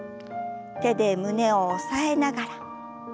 手で胸を押さえながら。